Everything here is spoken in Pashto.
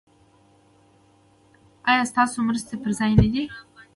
ایا ستاسو مرستې پر ځای نه دي؟